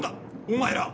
お前ら。